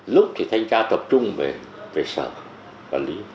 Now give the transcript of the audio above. lúc thì thanh tra tập trung về sở quản lý